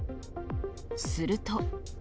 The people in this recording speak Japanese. すると。